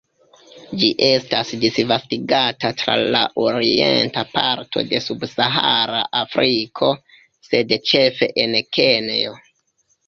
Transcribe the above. Ĝi estas disvastigata tra la orienta parto de subsahara Afriko, sed ĉefe en Kenjo.